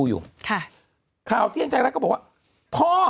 คุณหนุ่มกัญชัยได้เล่าใหญ่ใจความไปสักส่วนใหญ่แล้ว